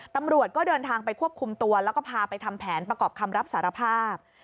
ตำรวจก็เดินทางไปควบคุมตัวแล้วก็พาไปทำแผนประกอบคำรับสารภาพ